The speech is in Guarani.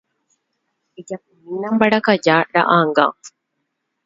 Ejapomína mbarakaja ra'ãnga.